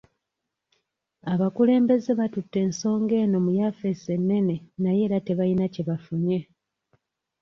Abakulembeze battute ensonga eno mu yafeesi ennene naye era tebayina kye bafunye.